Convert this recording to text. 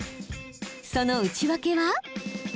その内訳は？